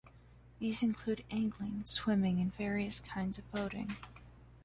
These include angling, swimming and various kinds of boating.